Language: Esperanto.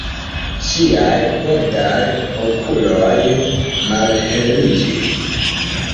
Ŝiaj verdaj okuloj malheliĝis.